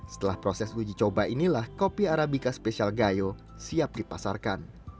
setelah proses uji coba inilah kopi arabica spesial gayo siap dipasarkan